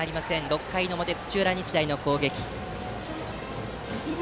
６回の表、土浦日大の攻撃。